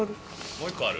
もう一個ある？